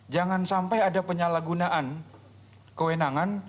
jangan sampai ada penyalahgunaan kewenangan